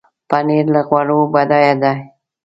پنېر له غوړو بډایه دی.